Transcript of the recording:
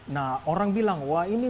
nah orang bilang wah ini